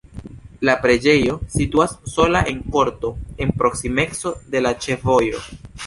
La preĝejo situas sola en korto en proksimeco de la ĉefvojo.